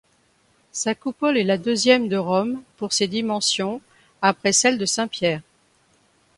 Sa coupole est la deuxième de Rome pour ses dimensions après celle de Saint-Pierre.